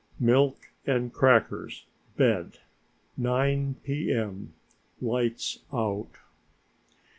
Milk and crackers, bed. 9 P.M. Lights out.